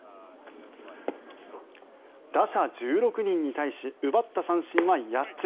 打者１６人に対し奪った三振は８つ。